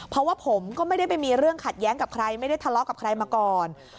เพราะว่าผมก็ไม่ได้ไปมีเรื่องขัดแย้งกับใครไม่ได้ทะเลาะกับใครมาก่อน